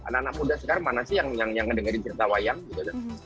anak anak muda sekarang mana sih yang ngedengerin cerita wayang gitu